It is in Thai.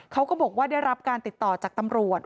เขาก็บอกว่าได้รับการติดต่อจากตำรวจ